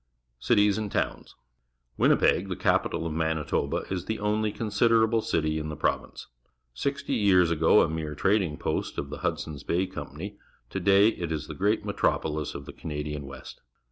Cities and Towns. — Jlj«mp££^ the capital of M anit oba , is the only considerable city in the province. Sixty years ago a mere trading post of the Hudson's Bay Company, to day it is the great metropoUs of the Cana dian West.